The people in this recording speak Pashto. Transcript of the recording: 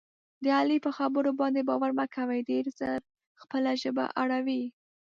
د علي په خبرو باندې باور مه کوئ. ډېر زر خپله ژبه اړوي.